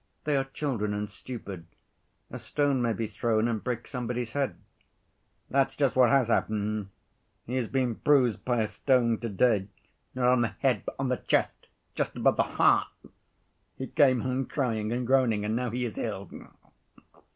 They are children and stupid. A stone may be thrown and break somebody's head." "That's just what has happened. He has been bruised by a stone to‐day. Not on the head but on the chest, just above the heart. He came home crying and groaning and now he is ill."